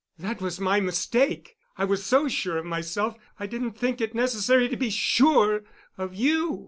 "That was my mistake. I was so sure of myself that I didn't think it necessary to be sure of you."